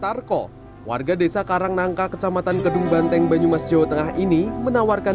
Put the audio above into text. tarko warga desa karangnangka kecamatan kedung banteng banyumas jawa tengah ini menawarkan